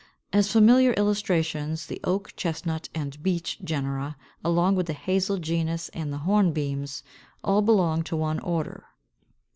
As familiar illustrations, the Oak, Chestnut, and Beech genera, along with the Hazel genus and the Hornbeams, all belong to one order.